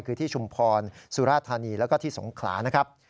คือที่ชุมพรสุราธานีแล้วก็ที่สงขลานะครับ